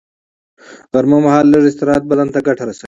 غرمه مهال لږ استراحت بدن ته ګټه رسوي